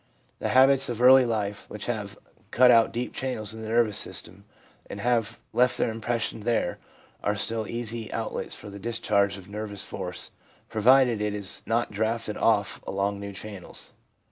The habits of early life, which have cut out deep channels in the nervous system, and have left their impression there, are still easy out lets for the discharge of nervous force, provided it is not drafted off along new channels.